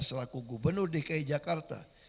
selaku gubernur dki jakarta